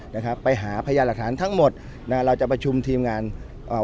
นะครับไปหาพยานหลักฐานทั้งหมดนะเราจะประชุมทีมงานเอ่อ